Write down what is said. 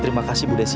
terima kasih bu desi